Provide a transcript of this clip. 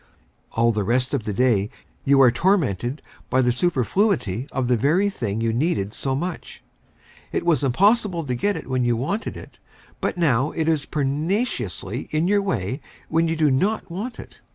All the rest of the day you are tormented by a superfluity of the very thing you needed so much. It was impossible to get it when you wanted it; but now it is pertinaciously in your way when you do not want it.